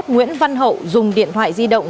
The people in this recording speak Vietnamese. nguyễn văn hậu dùng điện thoại di động